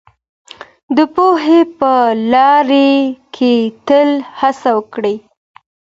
د پوهې په لاره کي تل هڅه وکړئ.